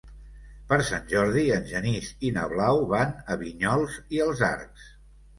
Per Sant Jordi en Genís i na Blau van a Vinyols i els Arcs.